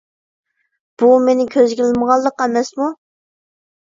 بۇ مېنى كۆزگە ئىلمىغانلىق ئەمەسمۇ!